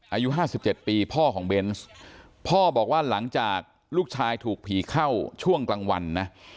อายุ๕๗ปีพ่อของเบนส์พ่อบอกว่าหลังจากลูกชายถูกผีเข้าช่วงกลางวันนะ